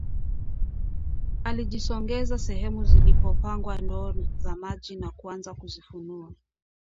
Alijisogeza sehemu zilipopangwa ndoo za maji na kuanza kuzifunua